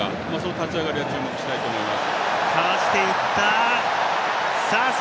立ち上がり注目したいと思います。